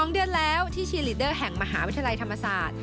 ๒เดือนแล้วที่ชีลีดเดอร์แห่งมหาวิทยาลัยธรรมศาสตร์